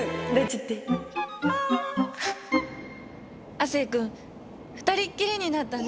亜生くん２人っきりになったね。